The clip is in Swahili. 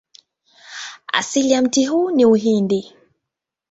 Asili ya mti huu ni Uhindi.